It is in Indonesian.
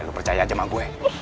lo percaya aja sama gue